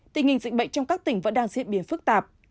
tình hình dịch bệnh trong các tỉnh vẫn đang diễn biến phức tạp